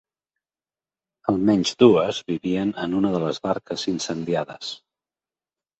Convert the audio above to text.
Almenys dues vivien en una de les barques incendiades.